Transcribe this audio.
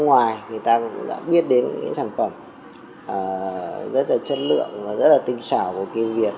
người ta cũng đã biết đến những sản phẩm rất là chất lượng và rất là tinh xảo của kim việt